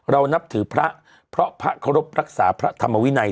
นับถือพระเพราะพระเคารพรักษาพระธรรมวินัย